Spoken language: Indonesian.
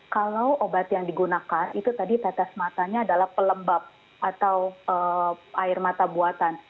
kalau obat yang digunakan itu tadi tetes matanya adalah pelembab atau air mata buatan